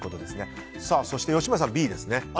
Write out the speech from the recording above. そして吉村さん、Ｂですね。